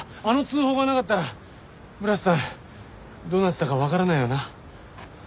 あの通報がなかったら村瀬さんどうなってたかわからないよな。